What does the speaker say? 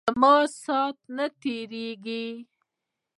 زما سات نه تیریژی.